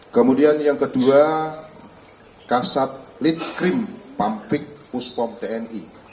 kemudian yang kedua kasat litkrim pamfik puspom tni